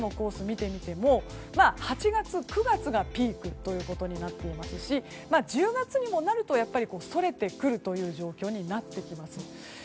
見てみても８月、９月がピークということになっていますし１０月にもなるとそれてくるという状況になってきます。